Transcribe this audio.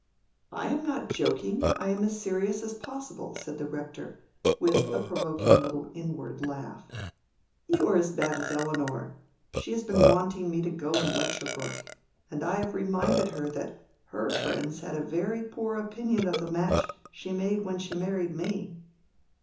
"I am not joking; I am as serious as possible," said the Rector, with a provoking little inward laugh. "You are as bad as Elinor. She has been wanting me to go and lecture Brooke; and I have reminded her that her friends had a very poor opinion of the match she made when she married me."